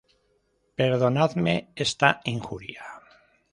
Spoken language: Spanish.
Perdonadme esta injuria.